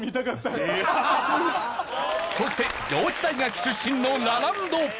そして上智大学出身のラランド。